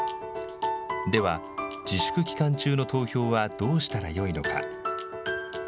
では、自粛期間中の投票はどうしたらよいのか。